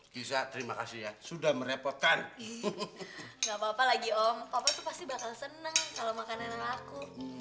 giza terima kasih ya sudah merepotkan enggak papa lagi om pasti bakal seneng kalau makan enak aku